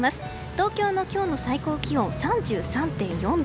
東京の今日の最高気温３３．４度。